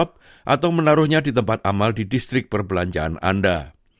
anda dapat menaruhnya sebagai opshop atau menaruhnya di tempat amal di distrik perbelanjaan anda